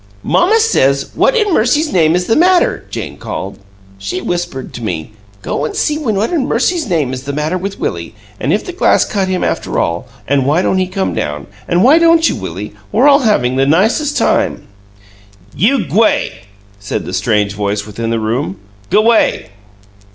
"Mamma says, 'What in mercy's name is the matter?'" Jane called. "She whispered to me, 'Go an' see what in mercy's name is the matter with Willie; an' if the glass cut him, after all; an' why don't he come down'; an' why don't you, Willie? We're all havin' the nicest time!" "You g'way!" said the strange voice within the room. "G'way!"